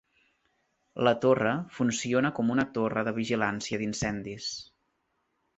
La torre funciona com una torre de vigilància d'incendis.